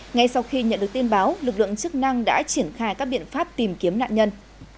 ngay sau khi nhận được tin báo lực lượng chức năng đã triển khai các biện pháp tìm kiếm nạn nhân